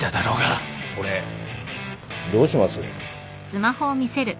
これどうします？